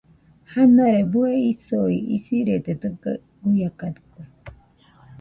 Janore bue isoi isɨrede dɨga guiakadɨkue.